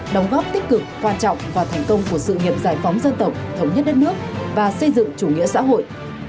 đóng góp tích cực quan trọng vào thành công của sự nghiệp giải phóng dân tộc thống nhất đất nước và xây dựng chủ nghĩa xã hội